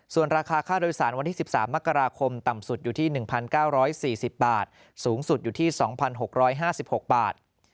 ส่วนราคาค่าโดยสารวันที่๑๓มกราคมต่ำสุดอยู่ที่๑๙๔๐บาทสูงสุดอยู่ที่๒๖๕๖บาท